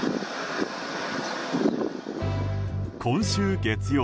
今週月曜